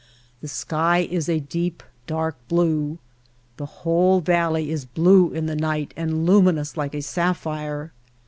The sky is a deep, dark blue. The whole valley is blue in the night and luminous like a sapphire.